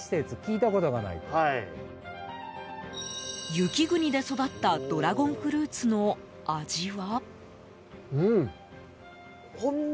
雪国で育ったドラゴンフルーツの味は？